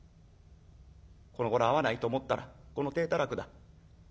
このごろ会わないと思ったらこの体たらくだ。